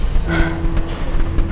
aku tuh kasihan sama mbak andin